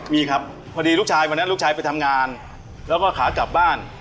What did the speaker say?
มีครับพอดีลูกชายวันนั้นลูกชายไปทำงานแล้วก็ขากลับบ้าน